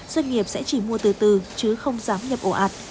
doanh nghiệp sẽ chỉ mua từ từ chứ không dám nhập ổ ạt